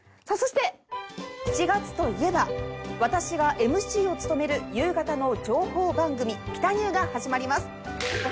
４月といえば私がＭＣを務める夕方の情報番組『ピタニュー』が始まります。